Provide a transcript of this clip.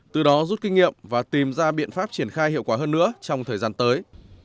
từ đó rút kinh nghiệm và tìm ra biện pháp triển khai hiệu quả hơn nữa trong thời gian tới